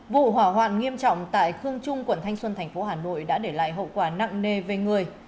vụ hỏa hoạn nghiêm trọng tại khương trung quận thanh xuân thành phố hà nội đã để lại hậu quả nặng nề về người